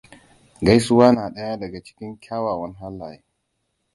Gaisuwa na ɗaya daga cikin kyawawan halaye.